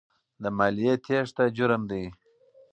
د مالیې تېښته جرم دی.